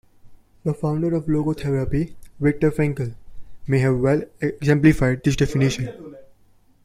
The founder of logotherapy, Viktor Frankl, may have well exemplified this definition.